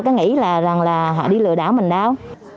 thế là họ đi lừa đảo mình đâu